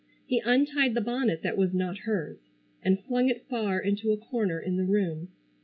He untied the bonnet that was not hers, and flung it far into a corner in the room.